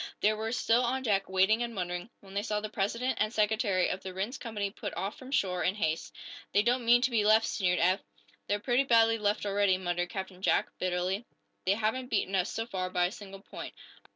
They were still on deck, waiting and wondering, when they saw the president and secretary of the Rhinds company put off from shore in haste. "They don't mean to be left," sneered Eph. "They're pretty badly left already," muttered Captain Jack, bitterly. "They haven't beaten us, so far, by a single point."